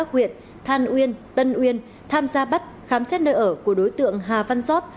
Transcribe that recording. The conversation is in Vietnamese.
huyện than uyên tân uyên tham gia bắt khám xét nơi ở của đối tượng hà văn giót